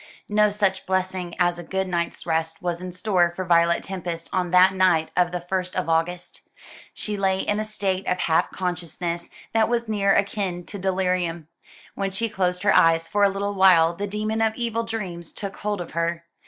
No such blessing as a good night's rest was in store for Violet Tempest on that night of the first of August. She lay in a state of half consciousness that was near akin to delirium. When she closed her eyes for a little while the demon of evil dreams took hold of her.